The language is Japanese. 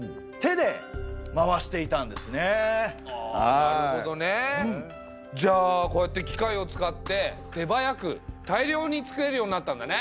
あなるほどね！じゃあこうやって機械を使って手早く大量に作れるようになったんだね。